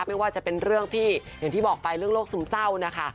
ไม่ว่าจะเป็นเรื่องที่อย่างที่บอกไปเรื่องโรคซึมเศร้านะคะ